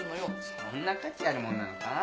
そんな価値あるもんなのか？